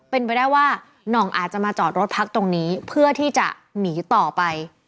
เป็นไปได้ว่าน่องอาจจะมาจอดรถพักตรงนี้เพื่อที่จะหนีต่อไป